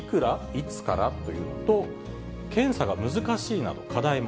いつから？というのと、検査が難しいなど、課題も。